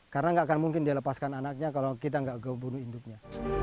karena gak akan mungkin dilepaskan anaknya kalau kita gak bunuh induknya